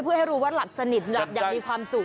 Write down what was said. เพื่อให้รู้ว่าหลับสนิทหลับอย่างมีความสุข